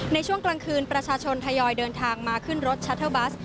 ในช่วงกลางคืนประชาชนทยอยเดินทางมาขึ้นรถชัตเทอร์บัส